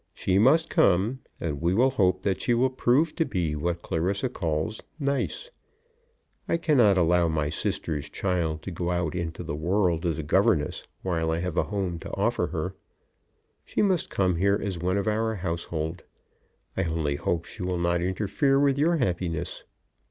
She must come; and we will hope that she will prove to be what Clarissa calls nice. I cannot allow my sister's child to go out into the world as a governess while I have a home to offer her. She must come here as one of our household. I only hope she will not interfere with your happiness."